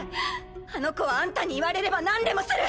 あの子はあんたに言われればなんでもする。